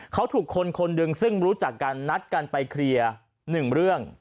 เขาถูกคนคนหนึ่งซึ่งรู้จักกันนัดกันไปเคลียร์๑เรื่อง